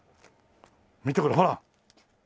見てこれほら！